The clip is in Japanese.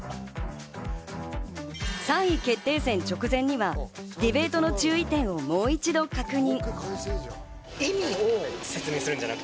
３位決定戦直前には、ディベートの注意点をもう一度確認。